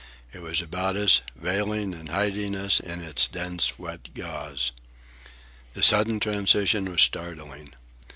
It was about us, veiling and hiding us in its dense wet gauze. The sudden transition was startling.